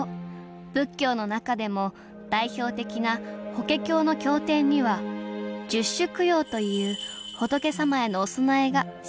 仏教の中でも代表的な「法華経」の経典には「十種供養」という仏様へのお供えが記されているそうです